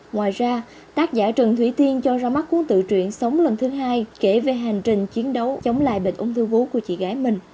ngoài ra tác giả trần thúy thiên cho ra mắt cuốn tự truyện sống lần thứ hai kể về hành trình chiến đấu chống lại bệnh ung thư vú của chị gái mình